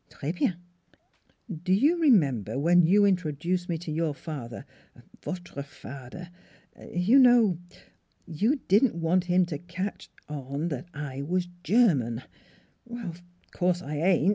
Tres bien!" " Do you remember when you introduced me to your father votre fader. You know? You didn't want him to catch on that I was German. ... Of course I ain't!